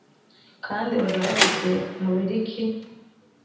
kandi bazaba bafite mubiri ki